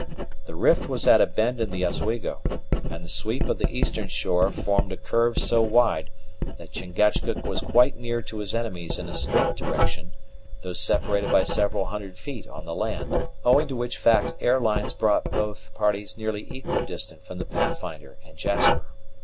The rift was at a bend in the Oswego, and the sweep of the eastern shore formed a curve so wide that Chingachgook was quite near to his enemies in a straight direction, though separated by several hundred feet on the land, owing to which fact air lines brought both parties nearly equidistant from the Pathfinder and Jasper.